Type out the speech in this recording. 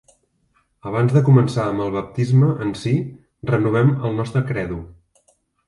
Abans de començar amb el baptisme en si, renovem el nostre credo.